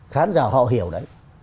khán giả họ hiểu đấy